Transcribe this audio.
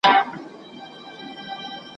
د غوايی په غاړه ولي زنګوله وي `